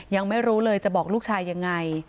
ยังไม่รู้เลยจะบอกลูกชายยังไง